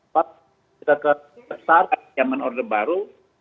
pak kita terbesar zaman order baru